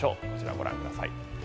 こちらをご覧ください。